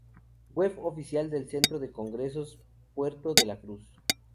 Web oficial Centro de congresos Puerto de la Cruz